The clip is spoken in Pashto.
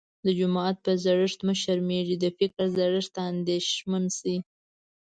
د جامو په زړښت مه شرمېږٸ، د فکر زړښت ته انديښمن سې.